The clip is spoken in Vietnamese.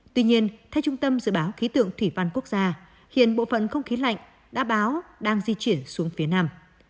tuy nhiên theo trung tâm dự báo khí tượng thủy văn quốc gia hiện bộ phận không khí lạnh đã báo đang di chuyển xuống phía nam